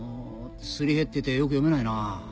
すり減っててよく読めないな。